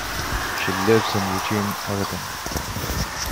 She lives in Eugene, Oregon.